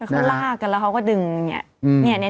เขาลากกันแล้วเขาก็ดึงอย่างนี้